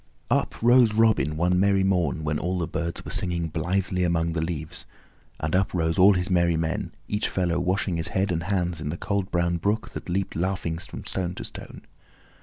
Up rose Robin Hood one merry morn when all the birds were singing blithely among the leaves, and up rose all his merry men, each fellow washing his head and hands in the cold brown brook that leaped laughing from stone to stone.